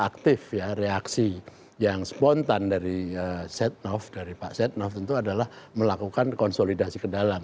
aktif ya reaksi yang spontan dari setnov dari pak setnov tentu adalah melakukan konsolidasi ke dalam